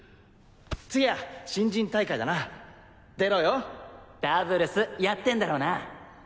次は新人大会だな出ろダブルスやってんだろうな